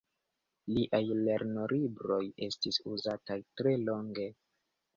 Liaj lernolibroj estis uzataj tre longe.